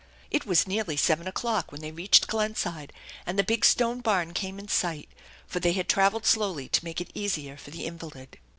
It was nearly seven o'clock when they reached Glenside and the big stone barn came in sight, for they had travelled slowly to make it easier for the invalid.